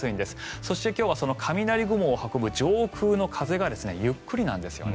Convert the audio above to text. そして、雷雲を運ぶ上空の風がゆっくりなんですね。